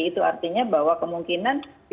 itu artinya bahwa kemungkinan